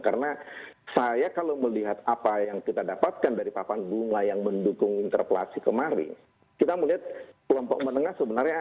karena saya kalau melihat apa yang kita dapatkan dari papan bunga yang mendukung interpelasi kemarin kita melihat kelompok menengah sebenarnya